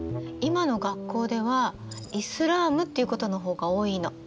今の学校ではイスラームっていうことの方が多いの。